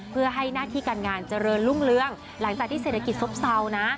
เพื่อให้หน้าที่การงานเจริญรุ่งเรืองหลังจากที่เศรษฐกิจซบเซานะ